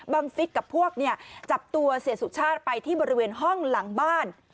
บังฟิศกับพวกจับตัวเศรษฐศาสตร์ไปที่บริเวณห้องหลังบ้าน